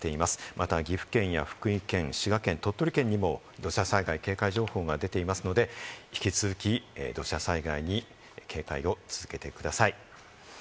また岐阜県や福井県、滋賀県、鳥取県にも土砂災害警戒情報が出ていますので、引き続き、土砂災害に警戒を続けてください。